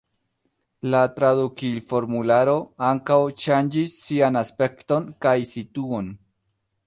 La tradukil-formularo ankaŭ ŝanĝis sian aspekton kaj situon.